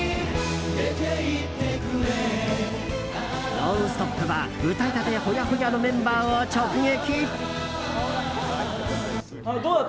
「ノンストップ！」は歌いたてほやほやのメンバーを直撃。